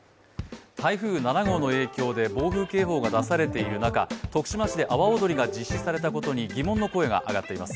台風７号の影響で暴風警報が出されている中、徳島市で阿波おどりが実施されたことに疑問の声が上がっています。